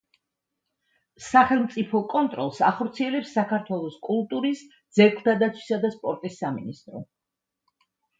სახელმწიფო კონტროლს ახორციელებს საქართველოს კულტურის, ძეგლთა დაცვისა და სპორტის სამინისტრო.